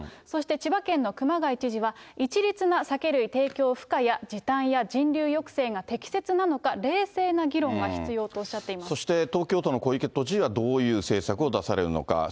そして千葉県の熊谷知事は、一律な酒類提供不可や時短や人流抑制が適切なのか、冷静な議論がそして東京都の小池都知事はどういう政策を出されるのか。